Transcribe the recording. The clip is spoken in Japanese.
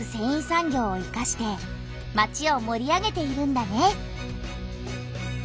産業をいかしてまちをもり上げているんだね。